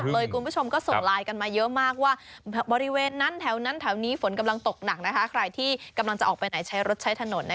ดอกจิกมากกว่านี่ดอกจิกนี่แหละ